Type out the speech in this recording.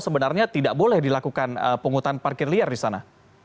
sebenarnya tidak boleh dilakukan penghutan parkir liar di sana